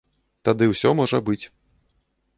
Тады ўсё можа быць.